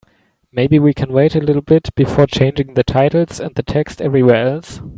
Maybe we can wait a little bit before changing the titles and the text everywhere else?